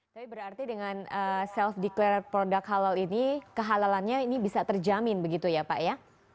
jadi berarti dengan self declare produk halal ini kehalalannya ini bisa terjamin begitu ya pak ya